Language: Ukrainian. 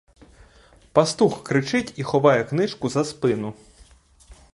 Пастух кричить і ховає книжку за спину.